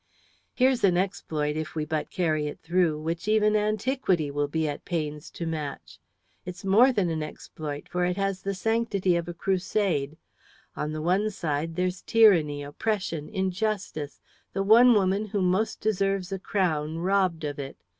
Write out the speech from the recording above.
"Here's an exploit, if we but carry it through, which even antiquity will be at pains to match! It's more than an exploit, for it has the sanctity of a crusade. On the one side there's tyranny, oppression, injustice, the one woman who most deserves a crown robbed of it.